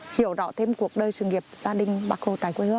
hiểu rõ thêm cuộc đời sự nghiệp gia đình bác khu